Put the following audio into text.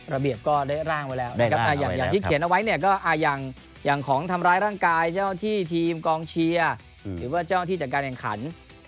ระเบียบก็ได้ร่างไว้แล้วอย่างที่เขียนเอาไว้ก็อย่างของทำร้ายร่างกาย